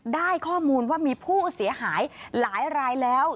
ได้ข้อมูลว่ามีผู้เสียหายหลายรายแล้ว